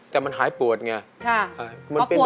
แต่มันหายปวดไงมันเป็นแบบนี้ใช่มันเป็นแบบนี้ค่ะ